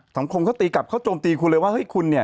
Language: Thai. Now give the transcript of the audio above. สังคมเขาตีกลับเขาโจมตีคุณเลยว่าเฮ้ยคุณเนี่ย